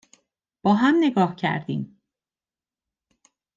با هم نگاه کردیم